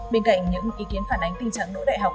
bên cạnh những ý kiến phản ánh tình trạng đỗ đại học